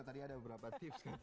tadi ada beberapa tips kan